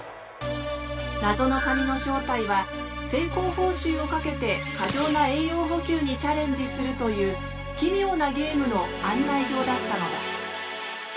なぞの紙の正体は成功報酬をかけて過剰な栄養補給にチャレンジするという奇妙なゲームの案内状だったのだ。